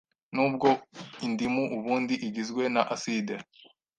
Nubwo indimu ubundi igizwe na aside,